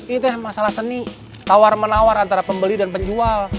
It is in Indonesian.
ini deh masalah seni tawar menawar antara pembeli dan penjual